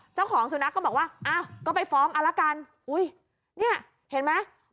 เจ้าของสุนัขก็บอกว่าอ้าวก็ไปฟ้องเอาละกันอุ้ยเนี่ยเห็นไหม